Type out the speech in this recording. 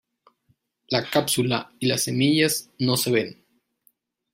La cápsula y las semillas no se ven.